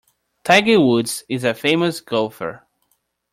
Tiger Woods is a famous golfer.